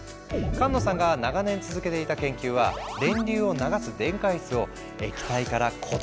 菅野さんが長年続けていた研究は電流を流す電解質を「液体」から「固体」にしちゃうってこと。